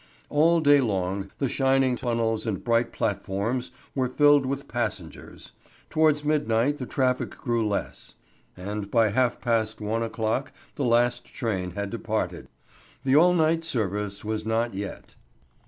All day long the shining funnels and bright platforms were filled with passengers. Towards midnight the traffic grew less, and by half past one o'clock the last train had departed. The all night service was not yet.